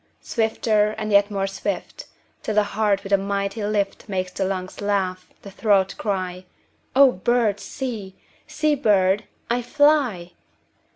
Swifter and yet more swift, 5 Till the heart with a mighty lift Makes the lungs laugh, the throat cry:— 'O bird, see; see, bird, I fly.